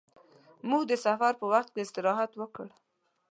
موږ د سفر په وخت کې استراحت وکړ.